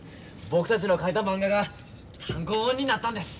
僕たちの描いたまんがが単行本になったんです。